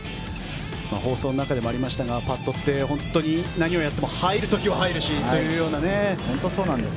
放送の中でもありましたがパットって、何をやっても入る時は入るしみたいな。